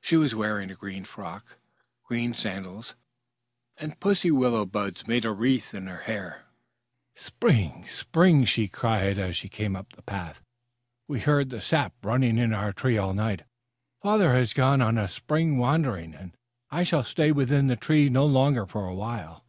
She was wearing a green frock, green sandals, and pussy willow buds made a wreath in her hair. "Spring, spring!" she cried as she came up the path. "We heard the sap running in our tree all night. Father has gone on a spring wandering, and I shall stay within tree no longer for a while."